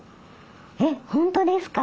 えっ本当ですか！